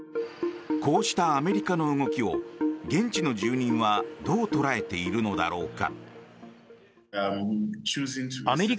こうしたアメリカの動きを現地の住人はどう捉えているのだろうか。